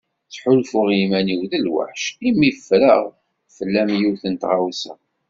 Ttḥulfuɣ iman-iw d lwaḥc imi ffreɣ fell-am yiwet n tɣawsa.